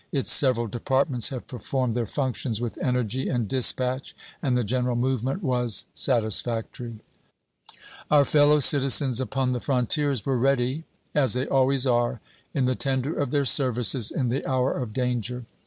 Its several departments have performed their functions with energy and dispatch, and the general movement was satisfactory. Our fellow citizens upon the frontiers were ready, as they always are, in the tender of their services in the hour of danger.